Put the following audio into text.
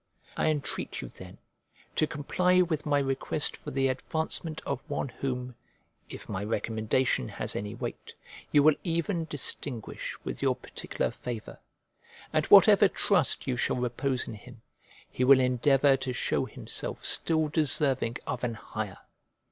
I entreat you, then, to comply with my request for the advancement of one whom (if my recommendation has any weight) you will even distinguish with your particular favour; and whatever trust you shall repose in him, he will endeavour to show himself still deserving of an higher.